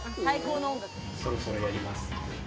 そろそろやります。